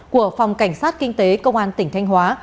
của phòng cảnh sát kinh tế công an tỉnh thanh hóa